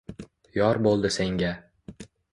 Yor bo’ldi senga